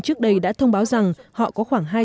trước đây đã thông báo rằng họ có khoảng